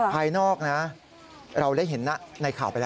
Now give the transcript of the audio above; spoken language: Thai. ภายนอกนะเราได้เห็นในข่าวไปแล้ว